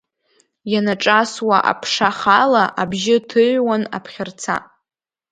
Ианаҿасуа аԥша хаала, абжьы ҭыҩуан аԥхьарца.